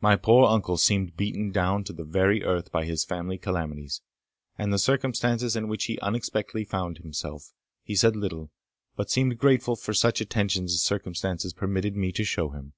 My poor uncle seemed beaten down to the very earth by his family calamities, and the circumstances in which he unexpectedly found himself. He said little, but seemed grateful for such attentions as circumstances permitted me to show him.